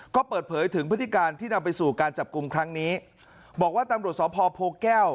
ก็เปิดเผยถึงพฤติการที่นำไปสู่การจับกลุ่มครั้งนี้บอกว่าตำรวจสพโพแก้ว